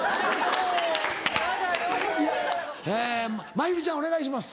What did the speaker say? まひるちゃんお願いします。